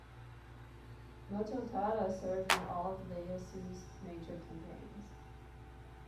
Mototada served in all of Ieyasu's major campaigns.